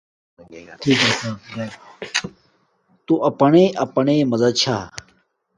تݸ پئنݳئی اَپَنݵئ مزہ چھݳ.